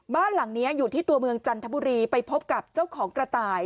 บ้านหลังนี้อยู่ที่ตัวเมืองจันทบุรีไปพบกับเจ้าของกระต่าย